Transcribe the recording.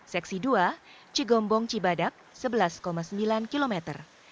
seksi dua cigombong cibadak sebelas sembilan kilometer